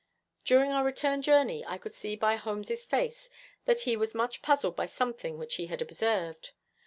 During our return journey, I could see by Holmes's face that he was much puzzled by something which he had observed.